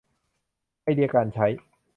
ไอเดียการใช้